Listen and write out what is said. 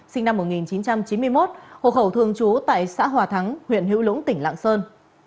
sinh năm một nghìn chín trăm chín mươi một hộ khẩu thường trú tại xã hòa thắng huyện hữu lũng tỉnh lạng sơn